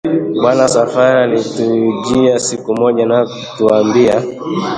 Bwana Safari alitujia siku moja na kutuambia,